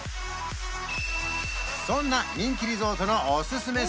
そんな人気リゾートのおすすめ